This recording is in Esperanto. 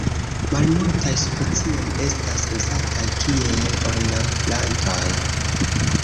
Malmultaj specioj estas uzataj kiel ornamplantoj.